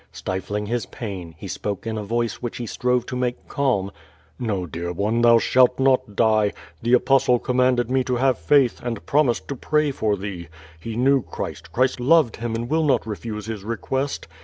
Stifling his pain, he spoke in a voice which he strove to make calm: "No, dear one, thou shalt not die. The Apostle commanded me to have faith, and promised to pray for thee. He knew Christ, Christ loved him and will not refuse his request.